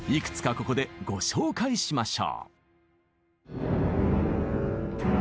ここでご紹介しましょう。